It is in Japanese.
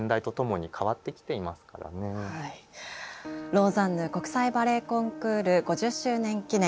「ローザンヌ国際バレエコンクール５０周年記念